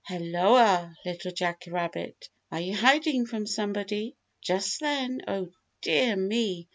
"Helloa, Little Jack Rabbit. Are you hiding from somebody?" Just then, oh dear me!